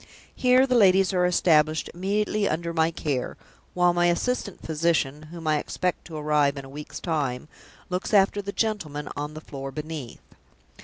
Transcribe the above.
Here the ladies are established immediately under my care, while my assistant physician (whom I expect to arrive in a week's time) looks after the gentlemen on the floor beneath.